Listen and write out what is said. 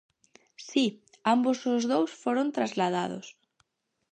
Si, ambos os dous foron trasladados.